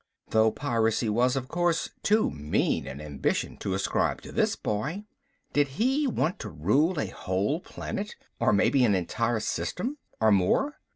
Though piracy was, of course, too mean an ambition to ascribe to this boy. Did he want to rule a whole planet or maybe an entire system? Or more?